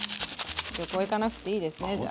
旅行行かなくていいですねじゃあ。